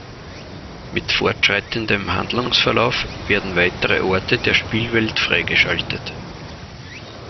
Mit fortschreitendem Handlungsverlauf werden weitere Orte der Spielwelt freigeschaltet.